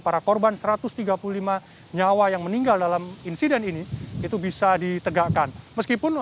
para korban satu ratus tiga puluh lima nyawa yang meninggal dalam insiden ini itu bisa ditegakkan meskipun